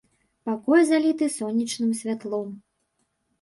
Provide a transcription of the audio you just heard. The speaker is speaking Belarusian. Пакой заліты сонечным святлом.